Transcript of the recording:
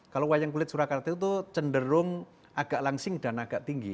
kalau wayang kulit surakarta itu cenderung agak langsing dan agak tinggi